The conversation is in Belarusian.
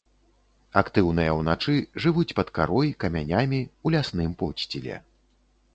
Актыўныя ўначы, жывуць пад карой, камянямі, у лясным подсціле.